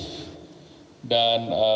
dan penerimaan perekonomian